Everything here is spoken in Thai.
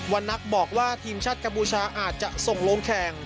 นักบอกว่าทีมชาติกัมพูชาอาจจะส่งลงแข่ง